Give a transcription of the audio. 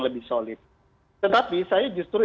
lebih solid tetapi saya justru